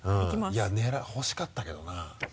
いや欲しかったけどな。